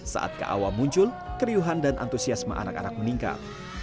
saat ke awal muncul keriuhan dan antusiasme anak anak meningkat